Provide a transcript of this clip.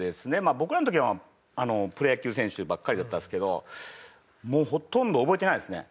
僕らの時はプロ野球選手ばっかりだったんですけどもうほとんど覚えてないですね。